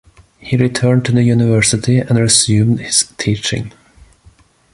He returned to the university and resumed his teaching.